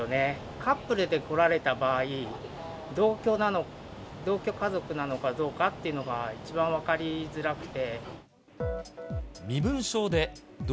カップルで来られた場合、同居家族なのかどうかっていうのが一番分かりづらくて。